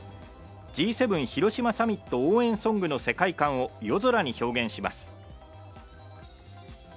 Ｇ７広島サミット応援ソングの世界観を夜空に表現します。